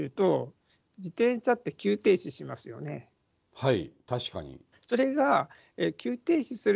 はい。